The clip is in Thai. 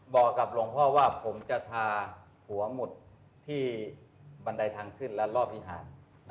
บอกกับหลวงพ่อว่าผมจะทาหัวหมุดที่บันไดทางขึ้นและรอบวิหาร